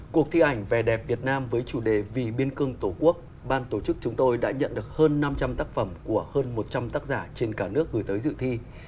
cuộc thi ảnh vẻ đẹp việt nam với chủ đề vì biên cương tổ quốc ban tổ chức chúng tôi đã nhận được hơn năm trăm linh tác phẩm của hơn một trăm linh tác giả trên cả nước gửi tới dự thi